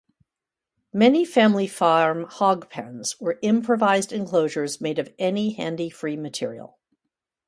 Many family farm hog pens were improvised enclosures made of any handy free material.